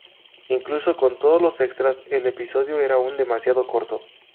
Incluso con todos los extras, el episodio era aún demasiado corto.